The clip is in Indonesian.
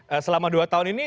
nah selama dua tahun ini